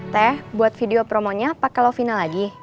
teh buat video promonya pake lovina lagi